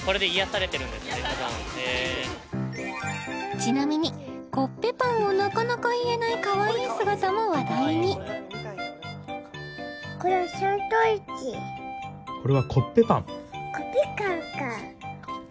ちなみにコッペパンをなかなか言えないかわいい姿も話題にさらに何それ？